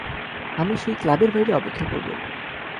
আমি সেই ক্লাবের বাইরে অপেক্ষা করব।